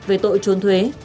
về tội trốn thuế